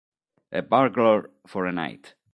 A Burglar for a Night